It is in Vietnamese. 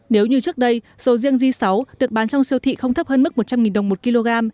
nếu như trước đây sầu riêng g sáu được bán trong siêu thị không thấp hơn mức một trăm linh đồng một kg